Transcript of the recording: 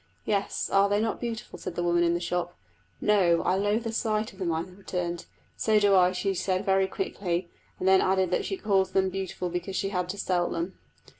"Yes, are they not beautiful?" said the woman in the shop. "No, I loathe the sight of them," I returned. "So do I!" she said very quickly, and then added that she called them beautiful because she had to sell them.